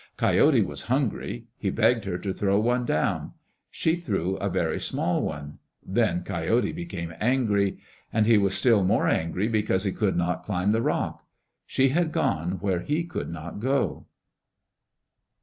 Coyote was hungry. He begged her to throw one down. She threw a very small one. Then Coyote became angry. And he was still more angry because he could not climb the rock. She had gone where he could not go.